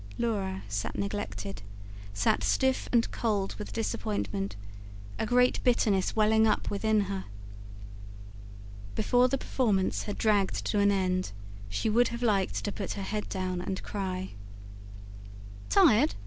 Laura sat neglected, sat stiff and cold with disappointment, a great bitterness welling up within her. Before the performance had dragged to an end, she would have liked to put her head down and cry. "Tired?"